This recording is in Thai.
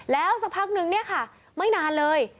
แล้วสักพักนึงเนี่ยค่ะไม่นานเลย